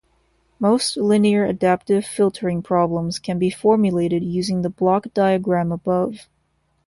Most linear adaptive filtering problems can be formulated using the block diagram above.